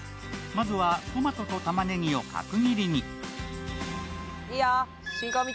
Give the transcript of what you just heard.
まずはトマトと玉ねぎを角切りにいいよ！